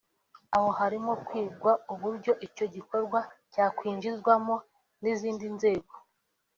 aho harimo kwigwa uburyo icyo gikorwa cyakwinjizwamo n’izindi nzego